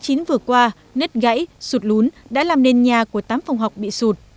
tuyến vừa qua nết gãy sụt lún đã làm nên nhà của tám phòng học bị sụt